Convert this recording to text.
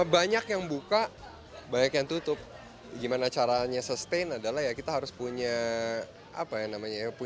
banyak yang buka banyak yang tutup